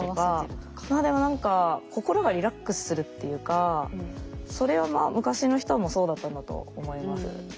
でも何か心がリラックスするっていうかそれは昔の人もそうだったんだと思います。